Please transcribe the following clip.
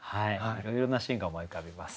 いろいろなシーンが思い浮かびます。